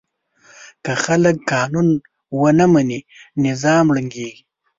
که خلک قانون ونه مني، نظام ړنګېږي.